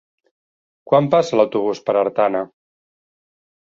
Quan passa l'autobús per Artana?